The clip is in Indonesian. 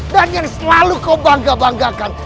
dan yang selalu kau bangga banggakan